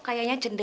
tentang keg onu